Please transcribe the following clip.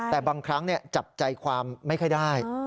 แต่บางครั้งจับใจความไม่ค่อยได้